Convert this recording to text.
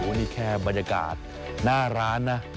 โอ้วันนี้แค่บรรยากาศหน้าร้านนะ